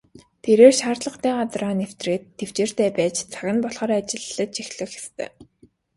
Тэрээр шаардлагатай газраа нэвтрээд тэвчээртэй байж цаг нь болохоор ажиллаж эхлэх ёстой.